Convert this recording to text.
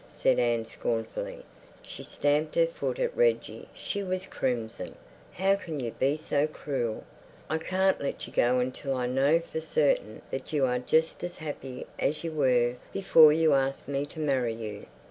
said Anne scornfully. She stamped her foot at Reggie; she was crimson. "How can you be so cruel? I can't let you go until I know for certain that you are just as happy as you were before you asked me to marry you.